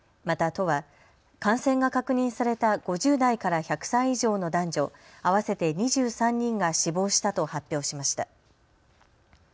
また都は感染が確認された５０代から１００歳以上の男女合わせて２３人が死亡したと発表しました。